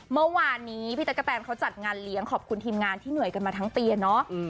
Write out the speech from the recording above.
เมื่อวานนี้พี่ตั๊กกะแตนเขาจัดงานเลี้ยงขอบคุณทีมงานที่เหนื่อยกันมาทั้งปีอะเนาะ